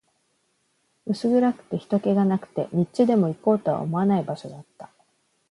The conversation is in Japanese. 薄暗くて、人気がなくて、日中でも行こうとは思わない場所だった